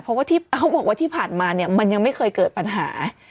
เพราะว่าที่เขาบอกว่าที่ผ่านมาเนี่ยมันยังไม่เคยเกิดปัญหา